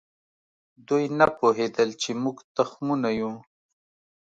دوی نه پوهېدل چې موږ تخمونه یو.